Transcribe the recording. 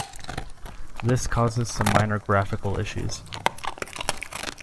This causes some minor graphical issues.